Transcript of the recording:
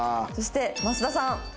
そして益田さん。